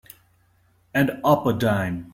And up a dime.